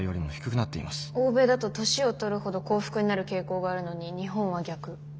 欧米だと年をとるほど幸福になる傾向があるのに日本は逆。